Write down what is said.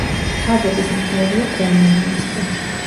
მთავრობის მეთაურია პრემიერ-მინისტრი.